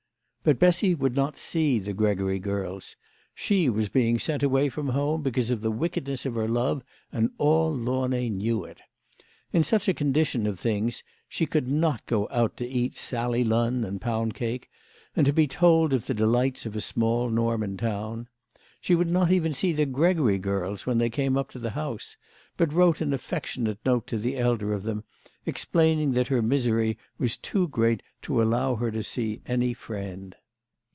But Bessy would not see the Gregory girls. She was being sent away from home because of the wickedness of her love, and all Launay knew it. In such a condition of things she could not go out to eat sally lunn and pound cake, and to be told of the de lights of a small Norman town. She would not even see the Gregory girls when they came up to the house, but wrote an aflfectionate note to the elder of them explaining that her misery was too great to allow her to see any friend.